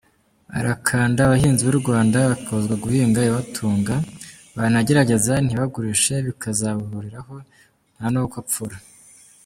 Arakanda abahinzi b’u Rwanda bakabuzwa guhinga ibibatunga, banagerageza ntibagurishe bikazababoreraho nta gukopfora.